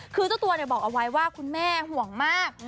คือเจ้าตัวบอกเอาไว้ว่าคุณแม่ห่วงมาก